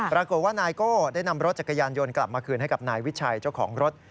ปรากฏว่านายโก้ได้นำรถจักรยานยนต์กลับมาคืนให้กับนายวิชัยเจ้าของรถ